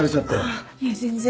あっいえ全然。